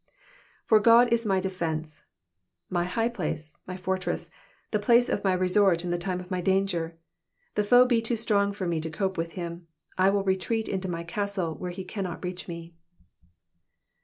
'' jPbr Ood is my defenee^^' my high place, my fortress, the place of my resort in Jthe time of my danger. If the foe be too strong for me to cope with him, I will retreat into my castle, where he cannot reach me.